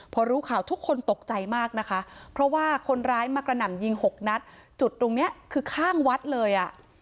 พอรู้ข่าวทุกคนตกใจมากนะคะเพราะว่าคนร้ายมากระหน่ำยิงหกนัดจุดตรงนี้คือข้างวัดเลยอ่ะ